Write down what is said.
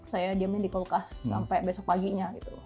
saya diamin di kulkas sampai besok paginya gitu